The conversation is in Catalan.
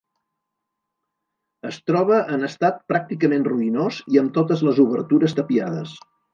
Es troba en estat pràcticament ruïnós i amb totes les obertures tapiades.